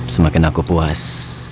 semakin aku puas